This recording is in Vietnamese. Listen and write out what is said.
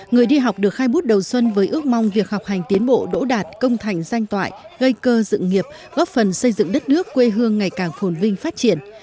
người đi học được khai bút đầu xuân với ước mong việc học hành tiến bộ đỗ đạt công thành danh toại gây cơ dựng nghiệp góp phần xây dựng đất nước quê hương ngày càng phồn vinh phát triển